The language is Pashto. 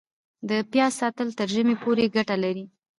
د پیاز ساتل تر ژمي پورې ګټه لري؟